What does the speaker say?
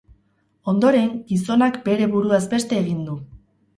Ondoren, gizonak bere buruaz beste egin du.